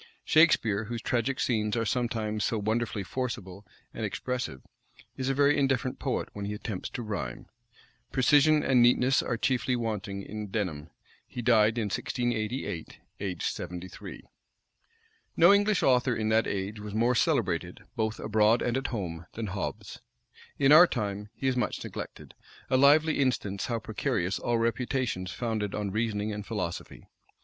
Shakspeare, whose tragic scenes are sometimes so wonderfully forcible and expressive, is a very indifferent poet when he attempts to rhyme. Precision and neatness are chiefly wanting in Denham. He died in 1688, aged seventy three. No English author in that age was more celebrated, both abroad and at home, than Hobbes: in our time, he is much neglected; a lively instance how precarious all reputations founded on reasoning and philosophy.